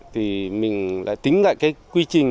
thì mình lại tính lại cái quy trình